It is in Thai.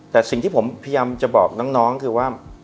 แต่สิ่งที่ผมพยายามจะบอกน้องคือว่า